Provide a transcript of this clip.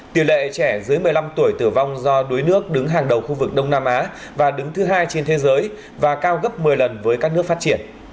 tỷ lệ trẻ dưới một mươi năm tuổi tử vong do đuối nước đứng hàng đầu khu vực đông nam á và đứng thứ hai trên thế giới và cao gấp một mươi lần với các nước phát triển